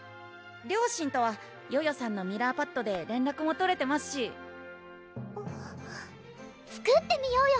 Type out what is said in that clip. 両親とはヨヨさんのミラーパッドで連絡も取れてますし作ってみようよ